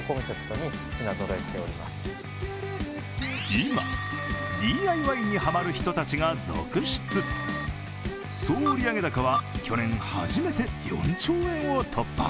今、ＤＩＹにハマる人たちが続出総売上高は去年初めて４兆円を突破。